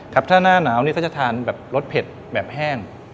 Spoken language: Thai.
ครับถ้าหน้าหนาวนี่เขาจะทานแบบรสเผ็ดแบบแห้ง